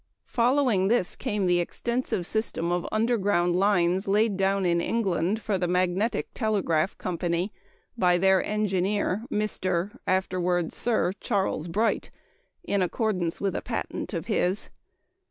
Following this came the extensive system of underground lines laid down in England for the Magnetic Telegraph Company by their engineer, Mr. (afterward Sir Charles) Bright, in accordance with a patent of his.